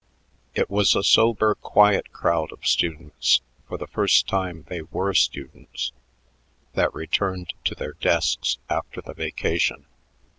It was a sober, quiet crowd of students for the first time they were students that returned to their desks after the vacation.